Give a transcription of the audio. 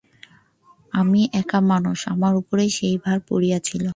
আমি একা মানুষ, আমার উপরেই সেই ভার পড়িয়াছিল।